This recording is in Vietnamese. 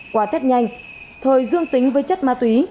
qua tết nhanh thời dương tính với chất ma túy